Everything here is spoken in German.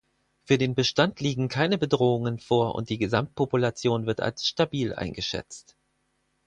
Für den Bestand liegen keine Bedrohungen vor und die Gesamtpopulation wird als stabil eingeschätzt.